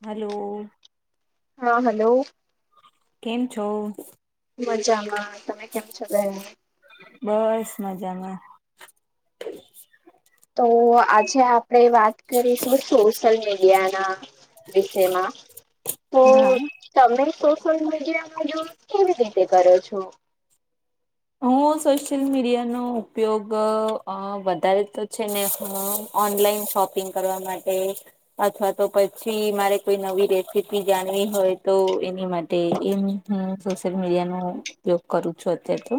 Hello હા hello કેમ છો મજામાં તમે કેમ છો બસ મજામાં તો આજે આપણે વાત કરીશું સોશિયલ મીડિયા ના વિષયમાં તો હા તમે સોશયલ મીડિયામાંઝ કેવી રીતે કરો છો હું સોશિયલ મીડિયાનોો ઉપયોગ વધારે તો છે ને હ ઓનલાઈન શોપિંગ કરવા માટે અથવા તો પછી મારે કોઈ નવી રેસીપી જાણવી હોય તો એની માટે એમ હ સોશિયલ મીડિયા નો ઉપયોગ કરું છું અત્ય્યારે તો.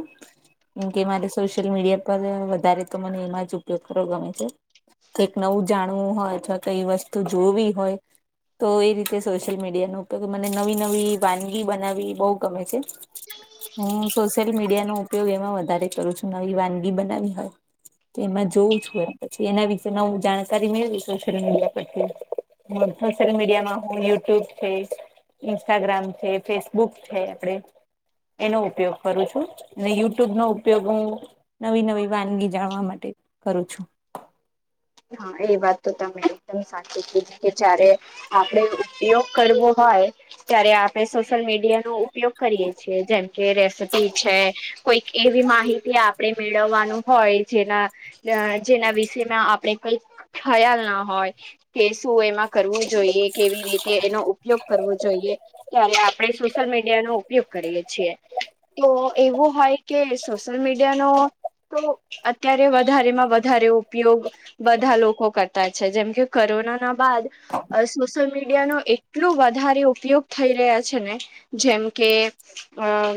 કેમ કે મારે સોશિયલ મીડિયા પર વધારે તો મને એમાં જ ઉપયોગ કરો ગમે છે. કઈક નવું જાણવું હોય અથવા કઈ વસ્તુ જોવી હોય. તો એ રીતે સોશિયલ મીડિયાનો ઉપયોગ મને નવી નવી વાનગી બનાવી બહુ ગમે છે. હું સોશિયલ મીડિયા [unintelligible] ઉપયોગ એમાં વધારે કરું છું નવી વાનગી બનાવી હોય. તો એમાં જોઉું છું એ પછી એના વિશે હું જાણકારી મેળવી સોશિયલ મીડિયા પરથી. હું સોશિયલ મીડિયામાં હું યુટ્યુબ છે. ઇન્સ્ટાગ્રામ છે, ફેસબુક છે, આપડે એનો ઉપયોગ કરું છું. અને યુટ્યુબ નો ઉપયોગ હું નવી નવી વાનગી જાણવા માટે કરું છું. હા એ વાત તો તમે એકદમ સાચી કીધી કે જારે આપડે ઉપયોગ કરવો હોય ત્યારે આપણે સોશિયલ મીડિયા [unintelligible] ઉપયોગ કરીયે છીએ જેમ કે રેસીપી છે, કોઈ. એવી માહિતી આપણે મેળવવાનું હોય જેના જેના વિષમાં આપણે. કઈ ખયાલ ના હોય. કે શું એમાં કરવું જોઈએ કેવી રીતે એનો ઉપયોગ કરવો જોઈએ. ત્યારે આપડણે સોશિયલ મીડિયા નો ઉપયોગ કરીએે છીએ. તો એવું હોય કે સોશિયલ મીડિયા નો. તો અત્યારે વધારેમાં વધારે ઉપયોગ. બધા લોકો કરતા છે, જેમ કે કોરોના ના બાદ. અ સોશિયલ મીડિયા નો એટલોું વધારે ઉપયોગ થઈ રહ્યા છે, ને. જેમ કે અમ.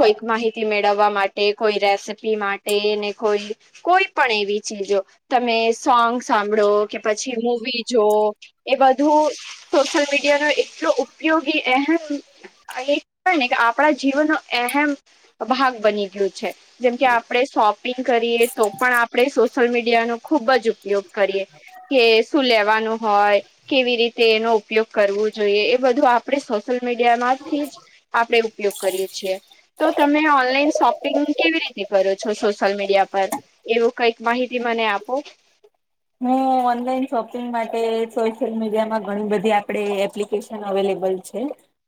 કોઈક માહિતી મેળવવા માટે કોઈ રેસીપી માટે ને કોઈ. કોઈ પણ એવી ચીજો તમે. સોંગ સાંભળો કે પછી મવી જો એ બધું. સોશિયલ મીડિયા નો એટલો ઉપયોગી [unintelligible] એહેવાય ને કે આપડા જીવન ન અહેમ ભાગ બની [unintelligible] છે. જેમકે આપણે શોપિંગ કરીએ તો પણ આપડણે સોશિયલ મીડિયાનોો ખુબ જ. [unintelligible] ઉપયોગ કરીએ કે શું લેવાનું હોય. કેવી રીતે એનો ઉપયોગ કરવો જોઈએ એ બધું આપણે સોશિલ મીડિયામાંથી જ. આપણેે ઉપયોગ કરીએ છીએ. તો તમે ઓનલાઈન શોપિંગ કેવી રીતે કરો છો સોશિયલ મીડિયા પર. એવું કઈક માહિતી મને આપો. હું ઓનલાઈન શોપિંગ માટે સોશિયલ મીડિયામાં ઘણી બધી [unintelligible] એપ્લિકેશન અવેલેબલ છે.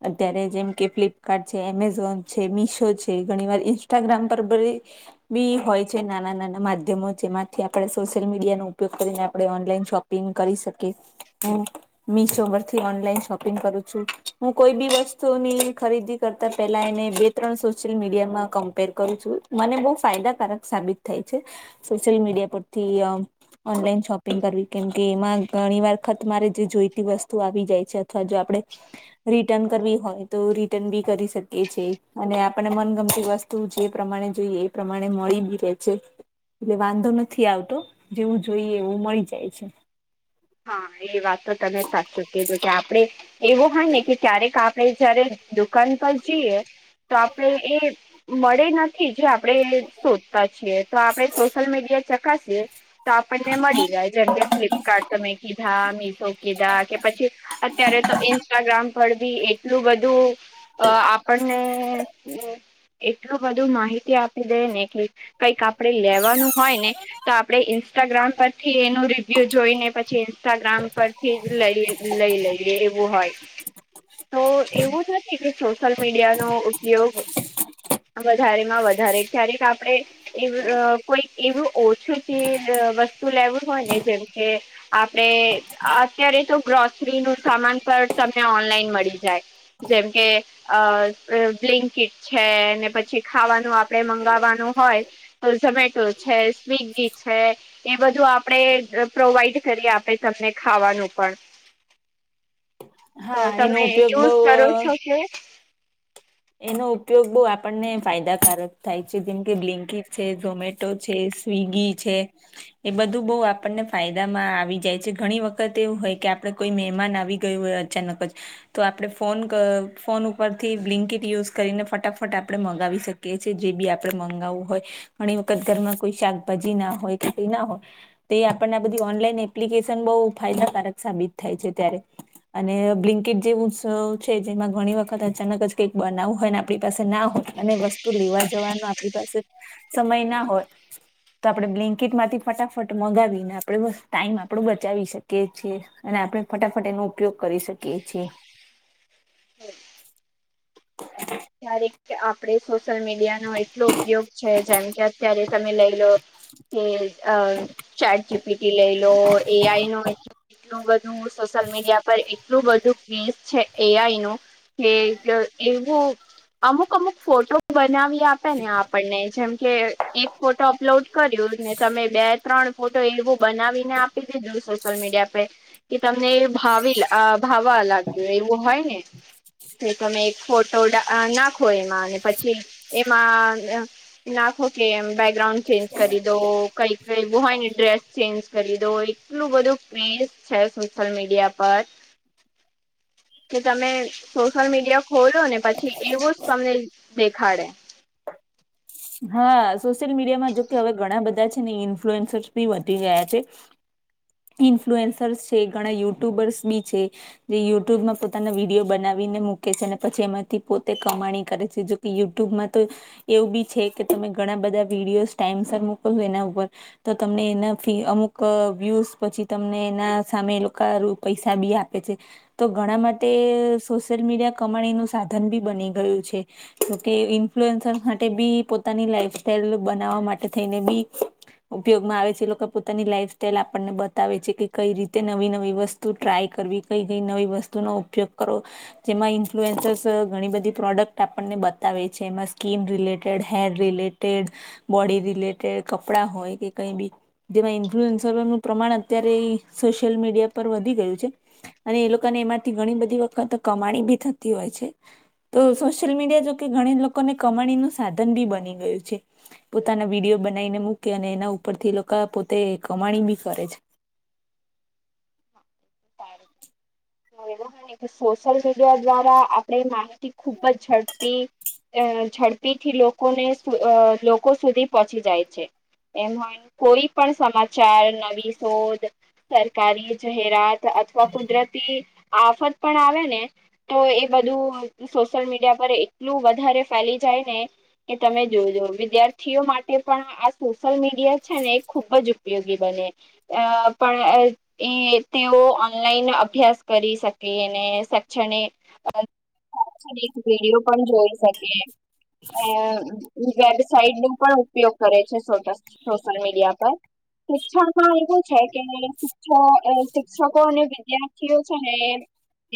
અત્યારે જેમ કે ફ્લિપકાર્ટ છે, એમેઝોન છે, મીશો છે, ઘણી વાર ઇન્સ્ટાગ્રામ પર [unintelligible] બી હોય છે, નાના નાના માધ્યમો જેમાંથી આપે સોશિયલ મીડિયા નો ઉપયોગ કરીને. આપણે ઓનલાઈન શોપિંગ કરી શકીએ હમ. મિશો પરથી ઓનલાઈન શોપિંગ કરું છું, હું કોઈ બી વસ્તુની ખરીદી કરતા પેલા એને બે. [unintelligible] સોશિયલ મીડિયામાં કમ્પેર કરું છું મને બહુ ફાયદાકારક સાબિત થાય છે. સોશિયલ મીડિયા પરથી ઓનલાઈન શોપિ. [unintelligible] કેમ કે એમાં ઘણી વરખત મારે જે જોઈતી વસ્તુ આવી જાય છે, અથવા જો આપણે. રિટન કરવી હોય તો રિટર્ન બી કરી શકી છી અને આપને મનગમતી વસ્તુ. તું જે પ્રમાણે જોઈએ એ પ્રમાણે મળી બી રે છે. એટલે વાંધો નથી આવતો જેવું જોઈએ એવું મળી જાય છે. હા એ વાત તો તમે સાચું [unintelligible] કે આપડણે. એવું હોય ને કે ક્યારેક આપણેે જયારે દુકાન પર જઈએ. તો આપણેે એ મળે નથી જે આપ. આપણે શોધતા છીએ તો આપણે સોશિયલ મીડિયા તો આપણને મળી જાય જેમ કે ફ્લિપકાર્ટ તમે કીધા મીસો કીધા કે પછી અત્યારે તો ઇન્સ્ટાગ્રામ પર બી એટલું બધુ અ આપણને એટલું બધું માહિતી આપી દે ને કે કઈક આપડે લેવાનું હોય ને તો આપડે ઇન્સ્ટાગ્રામ પરથી એનું રિવ્યુ જોઈને પછી ઇન્સ્ટાગ્રામ પરથી જ લ લઈ લઈએ એવું હોય. તો એવું છે કે સોશિયલ મીડિયાનો ઉપયોગ વધારે માં વધારે ક્યારેક આપડે એ કોઈ એવું ઓછું જે વસ્તુ લેવું હોય ને જેમકે આપડે અત્યારે તો ગ્રોસરી નું સામાન પણ તમને ઓનલાઈન મળી જાય. જેમ કે અ બ્લિંકિટ છે ને પછી ખાવાનું આપડે મંગાવવાનું હોય ઝોમેટો છે સ્વિગી છે એ બધું આપડે પ્રોવાઈડ કરી આપે તમને ખાવાનું પણ. તો હા એનો તમે ઉપયોગ બહુ ચુઝ અ, કરો છો કે. એનો ઉપયોગ બહુ આપણને ફાયદાકારક થાય છે જેમ કે બ્લિન્કીટ છેઝોમેટો ટો છે સ્વગી છે. એ બધું બહું આપણને ફાયદામાં આવી જાય છે ઘણી વખત એવું હોય કે આપડે કોઈ મહેમાન આવી ગયું હોય છે તો આપ ફો ફોન ઉપરથી બિલનકિટ યુઝ કરીને ફટાફટ આપણે મંગાવી શકીએ છીએ જે બી આપણે મગાવવું હોય. ઘણી વખત ઘરમાં કોઈ શાકભાજી ના હોય કે તે ના હોય. તે આપણને બધી ઓનલાઈન એપ્લિકેશન બહુ ફાયદાકારક સાબિત થાય છે ત્યારે. અને બ્લિન્કેટ જેવ ઉવ છે જેમાં ઘણી વખત અચાનક જ કેક બનાવું હોય ને આપણી પાસે ના હોય અને વસ્તુ લેવા જવાનું આપણી પાસે સમય ના હોય તો આપડણે બ્લેન્કેટમાંથી ફટાફટ મગાવીને આપડે બસ ટાઈમ આપડો બચાવી શકીએ છીએ. અને આપણે ફટાફટ એનો ઉપયોગ કરી શકીએ છીએ. [unintelligible] ક્યારે આપડે સોશિયલ મીડિયાનો એટલો ઉપયોગ છે જેમ કે અત્યારે તમે લઈ લો કે અ ચેટ જીપીટી લઈ લો એઆઈ નો હે એટલું બધું સોશિયલ મીડિયા પર એક એટલું બધું ક્વિઝ છે એ આઈ નું કે એવું અમુક અમુક ફોટો બનાવી આપે ને આપણને જેમકે એક ફોટો અપલોડ કર્યું ને તમે બે ત્રણ ફોટો એવું બનાવીને આપી દીધું સોશિયલ મીડિયા પે કે તમને ભાવી આ ભાવવા લાગ્યું એવું હોય ને. એ તમે એક ફોટો નાખો એમાં અને પછી એમાં નાખો કે એમ બેકગ્રાઉન્ડ ચેન્જ કરી દો કઈક એવું હોય ને ડ્રેસ ચેન્જ કરી દો આટલું બધું ક્વિઝ છે સોશિયલ મીડિયા પર કે તમે સોશિયલ મીડિયા ખોલ્યો ને પછી એવું જ તમને દેખાડે હા સોશિયલ મીડિયામાં જોકે હવે ઘણા બધા છે ને ઇન્ફ્લુઅન્સર્સ બી વધી ગયા છે. [inaudible] ઇન્ફ્લુએન્સર્સ છે ઘણા યુટ્યુબર્સ બી છે. જે યુટ્યુબમાં પોતાના વિડીયો બનાવીને મૂકે છે અને પછી એમાંથી પોતે કમાણી કરે છે જો યુટ્યુબમાં તો એવું બી છે કે તમે ઘણા બધા વિડીયોસ ટાઈમસ મોકલ છો એના ઉપર તો તમને એના અમુક વ્યુઝ પછી તમને એના સામે એ લોકો પૈસા બી આપે છે. તો ઘણા માટે સોશિયલ મીડિયા કમાણીનું સાધન બી બની ગયું છે. જોકે ઇન્ફ્લુઅન્સ માટે બી પોતાની લાઈફ સાઈલ બનાવવા માટે થઈને બી ઉપયોગમાં આવે છે એ લોકો પોતાની લાઈફ સ્ટાઈલ આપણને બતાવે છે કે કઈ રીતે નવી નવી વસ્તુ ટ્રાય કરવી કઈ કઈ નવી વસ્તુનો ઉપયોગ કરવો જેમાં ઇન્ફ્લુએન્સર્સ ઘણી બધી પ્રોડક્ટ આપણને બતાવે છે એમાં skin related hair related body related કપડા હોય કે કઈ બી જેમાં ઇન્ફ્લુઅન્સરનું પ્રમાણ અત્યારે સોશિયલ મીડિયા પર વધી ગયું છે. અને એ લોકોને એમાંથી ઘણી બધી વખત કમાણી બી થતી હોય છે. તો સોશિયલ મીડિયા જોકે ઘણી લોકોને કમાણીનું સાધન બી બની ગયું છે. પોતાના વિડીયો બનાવીને મૂકે અને એના ઉપરથી લોકો પોતે કમાણી બી કરે છે. હા એનો અને સોશિયલ મીડિયા દ્વારા આપણે માહિતી ખુબ જ ઝડપી અ ઝડપીથી લોકોને અ લોકો સુધી પહોંચી જાય છે. એમ હોય કોઈ પણ સમાચાર નવી શોધ સરકારી જાહેરાત અથવા કુદરતી આફત પણ આવે ને તો એ બધું સોશિયલ મીડિયા પર એટલું વધારે ફેલી જાય ને કે તમે જોજો વિદ્યાર્થીઓ માટે પણ આ સોશિયલ મીડિયા છે ને એ ખુબ જ ઉપયોગી બને અ પણ અ એ તેઓ ઓનલાઈન અભ્યાસ કરી શકે અને શૈક્ષણિક અ એક વિડીયો પણ જોઈ શકીએ અ હું જ્યારે સાઇટ નું પણ ઉપયોગ કરે છે સોશિ સોશિયલ મીડિયા પર શિક્ષામાં એવું છે કે તો એ શિક્ષકો અને વિદ્યાર્થીઓ છે ને એ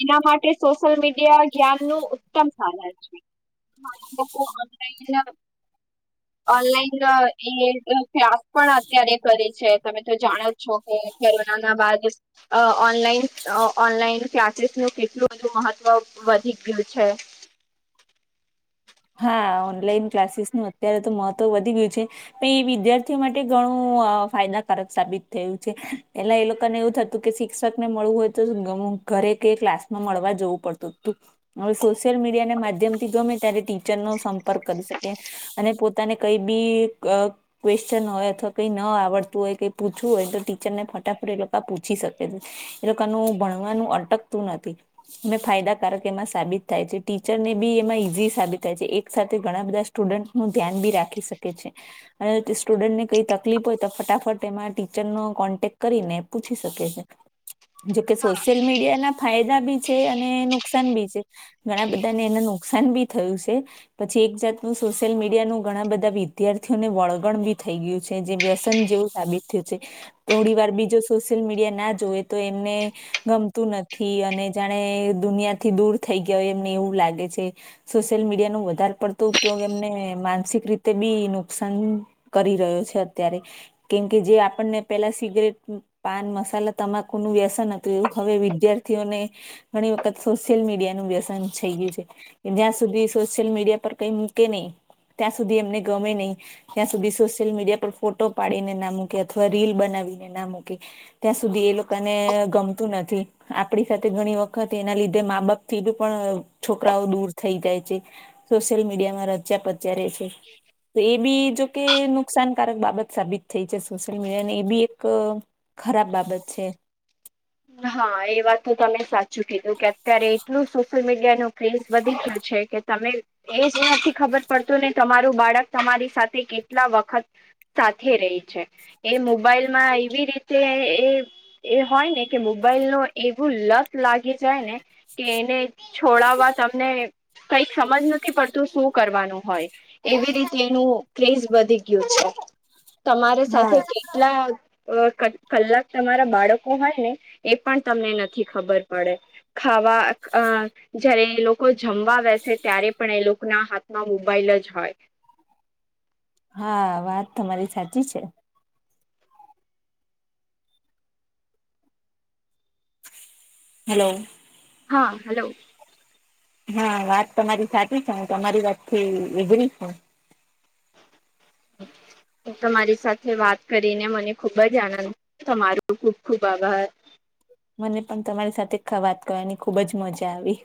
એના માટે સોશિયલ મીડિયા જ્ઞાન નું ઉત્તમ સાધન છે. મા લોકો ઓનલાઈન ના ઓનલાઈન ના એ ક્લાસ પણ અત્યારે કરે છે તમે તો જાણો જ છો કે ચલો ના ના બાર વર્ષ અ ઓનલાઈન ઓનલાઈન ક્લાસીસ નું કેટલું બધું મહત્વ વધી ગયું છે. હા ઓનલાઈન ક્લાસીસ નું અત્યારે તો મહત્વ વધી ગયું છે. પે એ વિદ્યાર્થીઓ માટે ઘણું ફાયદાકારક સાબિત થયું છે પેલા એ લોકોને એવું થતું કે શિક્ષક ને મળવું હોય તો ઘરે કે ક્લાસ માં મળવા જવું પડતું હતું હવે સોશિયલ મીડિયા ના માધ્યમ થી ગમે ત્યારે ટીચરનો સંપર્ક કરી શકે. અને પોતાને કઈ બી અ ક્વેશ્ચન હોય અથવા કઈ ન આવડતું હોય કઈ પૂછવું હોય તો ટીચર ને ફટાફટ એ લોકા પૂછી શકે છે. એ લોકાનું ભણવાનું અટકતું નથી. એ ફાયદાકારક એમાં સાબિત થાય છે ટીચર ને બી એમાં ઈઝી સાબિત થાય છે એક સાથે ઘણા બધા સ્ટુડન્ટ નું ધ્યાન બી રાખી શકે છે. અને તે સ્ટુડન્ટને કઈ તકલીફ હોય તો ફટાફટ એમાં ટીચરનો કોન્ટેક કરીને પૂછી શકે છે. જો કે સોશયલ મીડિયા ના ફાયદા બી છે અને નુકસાન બી છે ઘણા બધાને એને નુકસાન બી થયું છે પછી એક જાતનું સોશિયલ મીડિયાનું ઘણા બધા વિદ્યાર્થીઓને વળગણ બી થઈ ગયું છે જે વ્યસન જેવું સાબિત થયું છે થોડી વાર બીજો સોશિયલ મીડિયા ના જોવે તો એમને ગમતું નથી અને જાણે દુનિયા થી દૂર થઈ ગયો એમને એવું લાગે છે. સોશિયલ મીડિયા નુ વધારે પડતો ઉપયોગ એમને માનસિક રીતે બી નુકસાન કરી રહ્યો છે અત્યારે કેમ કે જે આપણને પેલા સિગરેટ પાન મસાલા તમાકુ નું વ્યસન હતું હવે વિદ્યાર્થીઓને ઘણી વખત સોશિયલ મીડિયા નું વ્યસન થઈ ગયું છે કે જ્યાં સુધી સોશિયલ મીડિયા પર કઈ મૂકે નહી ત્યાં સુધી એમને ગમે નહી. ત્યાં સુધી સોશિયલ મીડિયા પર ફોટો પાડીને ના મૂકે અથવા રીલ બનાવીને ના મૂકે ત્યાં સુધી એ લોકોને ગમતું નથી. આપડી સાથે ઘણી વખત એના લીધે મા બાપ થી પણ છોકરાઓ દૂર થઈ જાય છે સોશિયલ મીડિયામાં રચ્યા પચ્યા રે છે તો એ બી જો કે નુકસાનકારક બાબત સાબિત થઈ છે સોશિયલ મીડિયા ને એ બી એક ખરાબ બાબત છે. હા એ વાત તો તમે સાચું કીધું કે અત્યારે એટલું સોશિયલ મીડિયા નુ ક્રેઝ વધી ગયો છે કે તમે એ જ નથી ખબર પડતું ને તમારું બાળક તમારી સાથે કેટલા વખત સાથે રેય છે, એ મોબાઈલમાં એવી રીતે એ એ હોય ને કે મોબાઈલ નો એવું લત લાગી જાય ને કે એને છોડવા તમને કઈક સમજ નથી પડતું શું કરવાનું હોય એવી રીતે એનું ક્રેઝ વધી ગયું છે. તમારી હા સાથે કેટલા અ ક કલાક તમારા બાળકો હોય ને એ પણ તમને નથી ખબર પડે ખાવા અ જયારે એ લોકો જમવા વે છે, ત્યારે પણ એ લોકના હાથમાં મોબાાઈલ જ હોય હા વાત તમારી સાચી છે. હેલો. હા હાલો. હા વાત તમારી સાચી છે, હું તમારી વાતથી એગરી છું હું તમારી સાથે વાત કરીને મને ખુબ જ આનંદ તમારુ ખુબ ખુબ આભાર મને પણ તમારી સાથે વાત કરવાની ખુબ જ મજા આવી